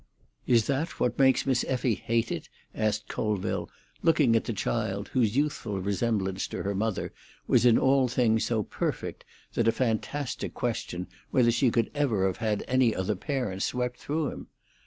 "Is that what makes Miss Effie hate it?" asked Colville, looking at the child, whose youthful resemblance to her mother was in all things so perfect that a fantastic question whether she could ever have had any other parent swept through him.